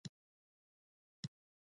انځر ولې ګل نلري؟